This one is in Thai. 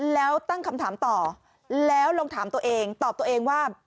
แล้วตั้งคำถามต่อแล้วลองถามตัวเองตอบตัวเองว่า